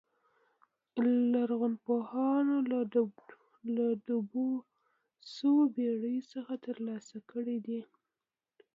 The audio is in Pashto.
لرغونپوهانو له ډوبو شویو بېړیو څخه ترلاسه کړي دي